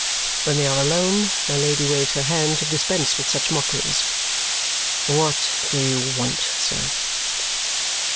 When they are alone, my Lady waves her hand to dispense with such mockeries. "What do you want, sir?"